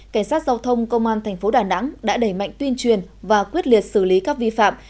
cảnh sát giao thông công an tp đà nẵng đã đẩy mạnh tuyên truyền và quyết liệt xử lý các vi phạm